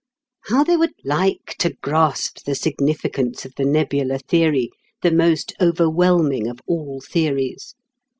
How they would like to grasp the significance of the nebular theory, the most overwhelming of all theories!